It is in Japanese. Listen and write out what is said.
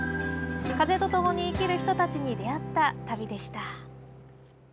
風と共に生きる人たちに出会った旅でした。